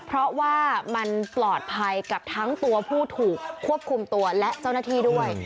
เพราะว่ามันปลอดภัยกับทั้งตัวผู้ถูกควบคุมตัวและเจ้าหน้าที่ด้วย